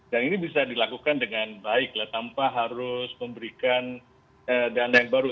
dan ini bisa dilakukan dengan baiklah tanpa harus memberikan dana yang baru